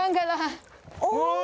お。